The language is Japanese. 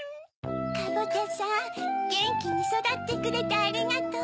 カボチャさんゲンキにそだってくれてありがとう。